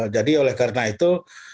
jadi oleh karena itu